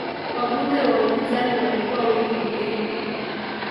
Wabunge wa upinzani walikuwa wengi bungeni